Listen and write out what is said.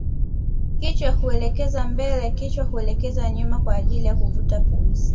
Kichwa huelekezwa mbele kichwa huelekezwa nyuma kwa ajili ya kuvuta pumzi